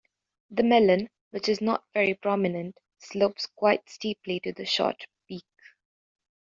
The melon, which is not very prominent, slopes quite steeply to the short beak.